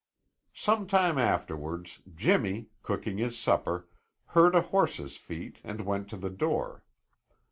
Some time afterwards, Jimmy, cooking his supper, heard a horse's feet and went to the door.